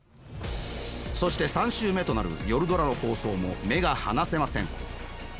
そして３週目となる「夜ドラ」の放送も目が離せません。